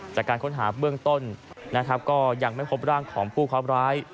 จากการค้นหาเบื้องต้นนะครับก็ยังไม่พบร่างของผู้ครอบร้าย